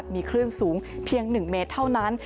มีคลื่นสูงเพียง๑เมตรเท่านั้น